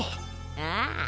ああ。